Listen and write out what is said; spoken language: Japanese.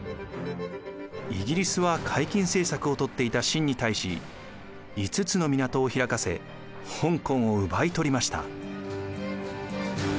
イギリスは解禁政策をとっていた清に対し５つの港を開かせ香港を奪い取りました。